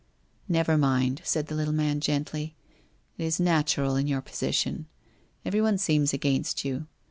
' Never mind,' said the little man gently. * It is natural in your position. Everyone seems against you.